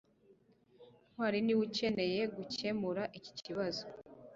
ntwali niwe ukeneye gukemura iki kibazo